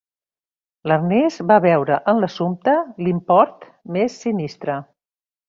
L'Ernest va veure en l'assumpte l'import més sinistre.